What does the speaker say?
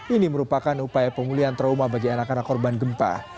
ini merupakan upaya pemulihan trauma bagi anak anak korban gempa